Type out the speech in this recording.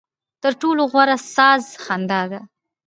ترټولو غوره ساز خندا ده.